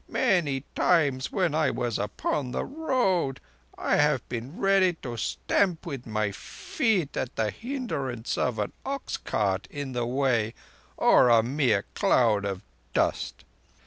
Many times when I was upon the Road I have been ready to stamp with my feet at the hindrance of an ox cart in the way, or a mere cloud of dust.